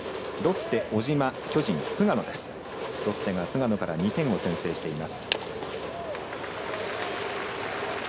ロッテが菅野から２点を先制しています。